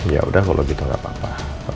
yaudah kalau gitu gak papa